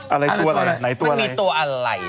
อันนี้ที่ตัวอะไรอะไรตัวอะไรไหนตัวอะไรมันมีตัวอะไร